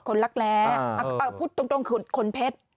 ขนรักแร้พูดตรงขนเพชร